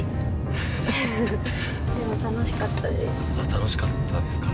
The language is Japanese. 楽しかったですか？